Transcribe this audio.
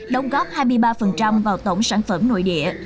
đồng góp hai mươi ba vào tổng sản phẩm nội địa